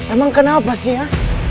emang kenapa sih ya